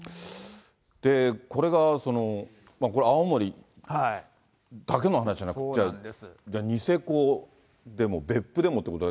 これがこれ、青森だけの話じゃなくて、ニセコでも別府でもっていうことで。